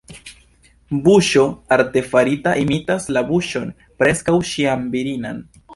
Buŝo artefarita imitas la buŝon, preskaŭ ĉiam virinan.